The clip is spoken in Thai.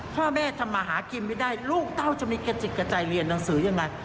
พ่อแม่ทำมาหากินไม่ได้ลูกเต้าจะมีกระจิกกระใจเรียนหนังสือยังไง